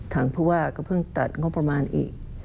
ทางผู้ว่าก็เพิ่งตัดงบประมาณอีก